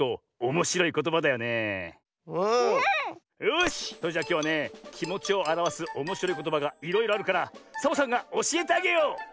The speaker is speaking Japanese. よしそれじゃあきょうはねきもちをあらわすおもしろいことばがいろいろあるからサボさんがおしえてあげよう！